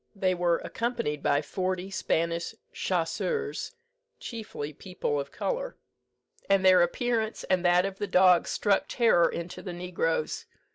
They were accompanied by forty Spanish chasseurs, chiefly people of colour, and their appearance and that of the dogs struck terror into the negroes.